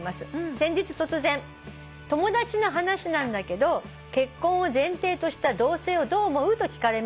「先日突然『友達の話なんだけど結婚を前提とした同棲をどう思う？』と聞かれました」